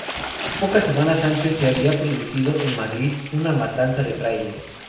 Pocas semanas antes, se había producido en Madrid una matanza de frailes.